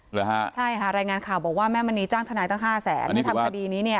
เหรอฮะใช่ค่ะรายงานข่าวบอกว่าแม่มณีจ้างทนายตั้งห้าแสนที่ทำคดีนี้เนี่ย